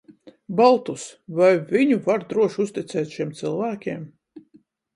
Baltus, vai viņu var droši uzticēt šiem cilvēkiem?